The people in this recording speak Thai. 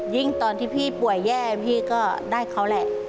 ตอนที่พี่ป่วยแย่พี่ก็ได้เขาแหละ